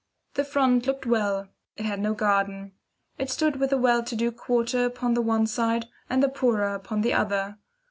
The front looked well. It had no garden. It stood with the well to do quarter upon the one side, and the poorer upon the other.